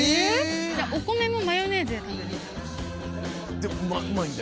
お米もマヨネーズで食べるもん。